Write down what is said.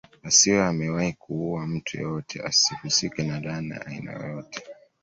Asiwe amewahi kuua mtu yoyote asihusike na laana ya aina yoyote